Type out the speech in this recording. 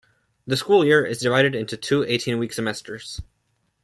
The school year is divided into two, eighteen-week semesters.